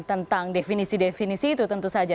tentang definisi definisi itu tentu saja